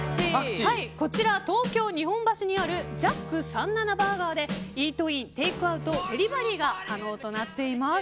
こちら、東京・日本橋にあるＪａｃｋ３７Ｂｕｒｇｅｒでイートイン、テイクアウトデリバリーが可能となっています。